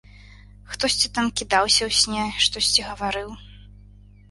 Хтосьці там кідаўся ў сне, штосьці гаварыў.